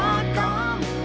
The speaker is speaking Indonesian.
berjalan tanpa kamu